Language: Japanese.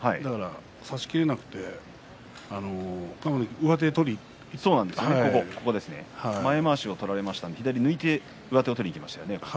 差しきれなくて前まわしを取られましたので、左を抜いて上手を取りにいきましたね。